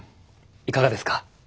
いかがですか？